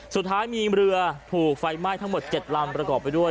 สุดท้ายมีเรือถูกไฟไหม้ทั้งหมด๗ลำประกอบไปด้วย